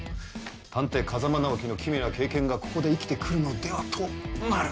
探偵風真尚希の奇妙な経験がここで生きて来るのではとまる。